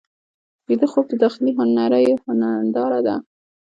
ویده خوب د داخلي نړۍ هنداره ده